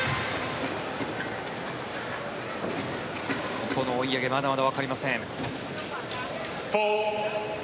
ここの追い上げまだまだわかりません。